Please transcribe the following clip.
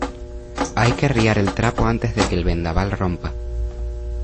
hay que arriar el trapo antes de que el vendaval rompa